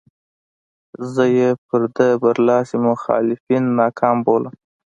زه یې پر ده برلاسي مخالفین ناکام بولم.